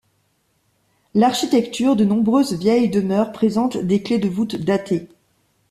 L'architecture de nombreuses vieilles demeures présente des clefs de voûte datées.